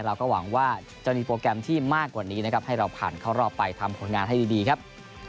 เราก็หวังว่าจะมีโปรแกรมที่มากกว่านี้นะครับให้เราผ่านเข้ารอบไปทำผลงานให้ดีครับ